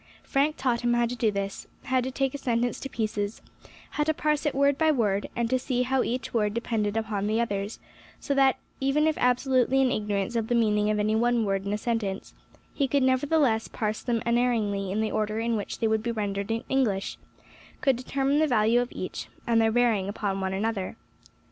Frank taught him how to do this, how to take a sentence to pieces, how to parse it word by word, and to see how each word depended upon the others, so that even if absolutely in ignorance of the meaning of any one word in a sentence, he could nevertheless parse them unerringly in the order in which they would be rendered in English could determine the value of each, and their bearing upon one another.